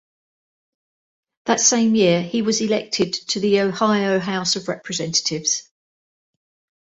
That same year, he was elected to the Ohio House of Representatives.